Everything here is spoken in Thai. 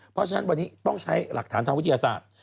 เพราะฉะนั้นวันนี้ต้องใช้หลักฐานทางวิทยาศาสตร์